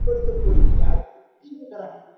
আর তুই দলে আয়।